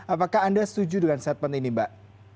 apakah anda setuju dengan statement ini mbak